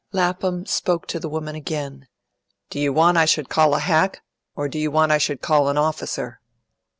Lapham spoke to the woman again. "Do you want I should call a hack, or do you want I should call an officer?"